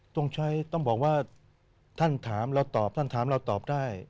ต้องใช้ต้องบอกว่าท่านถามเราตอบท่านถามเราตอบได้